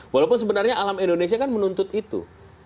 walaupun sebenarnya alam indonesia kan menuntut itu